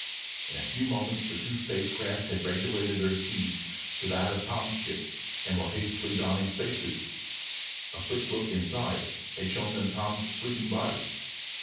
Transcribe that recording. In a few moments the two space craft had regulated their speeds to that of Tom's ship and were hastily donning space suits. A quick look inside had shown them Tom's sleeping body.